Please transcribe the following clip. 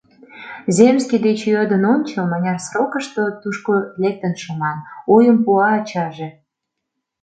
— Земский деч йодын ончо, мыняр срокышто тушко лектын шуман? — ойым пуа ачаже.